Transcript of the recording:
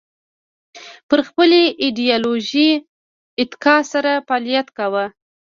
پر خپلې ایدیالوژۍ اتکا سره فعالیت کاوه